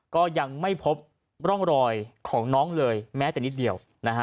ก็ยังไม่พบร่องรอยของน้องเลยแม้แต่นิดเดียวนะฮะ